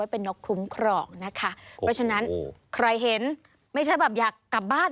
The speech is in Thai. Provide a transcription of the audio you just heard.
เพราะฉะนั้นใครเห็นไม่ใช่แบบอยากกลับบ้าน๓